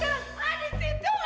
ah di situ ayo gua